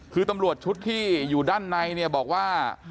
คือตำรวจชุดที่อยู่ด้านในเนี่ยบอกว่า